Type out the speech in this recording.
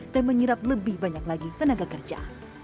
dan menyerap lebih banyak lagi tenaga kerja